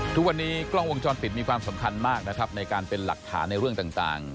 ทุกวันนี้กล้องวงจรปิดมีความสำคัญมากนะครับในการเป็นหลักฐานในเรื่องต่าง